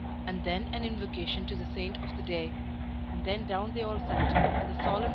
and then an invocation to the saint of the day; and then down they all sat, and the solemn